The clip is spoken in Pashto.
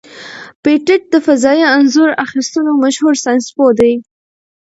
پېټټ د فضايي انځور اخیستلو مشهور ساینسپوه دی.